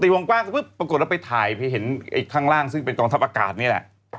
วงกว้างปุ๊บปรากฏเราไปถ่ายไปเห็นไอ้ข้างล่างซึ่งเป็นกองทัพอากาศนี่แหละ